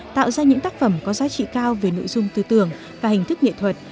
tạo ra những tác phẩm có giá trị cao về nội dung tư tưởng và hình thức nghệ thuật